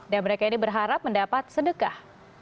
dan mereka ini berharap mendapat sedekah